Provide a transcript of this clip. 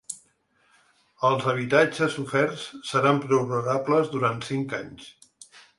Els habitatges oferts seran prorrogables durant cinc anys.